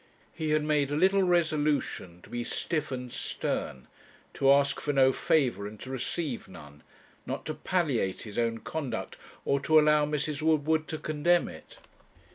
He had made a little resolution to be stiff and stern, to ask for no favour and to receive none, not to palliate his own conduct, or to allow Mrs. Woodward to condemn it.